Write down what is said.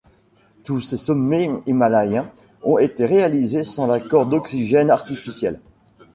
Tous ces sommets himalayens ont été réalisés sans l'apport d'oxygène artificiel.